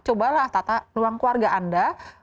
cobalah tata ruang keluarga anda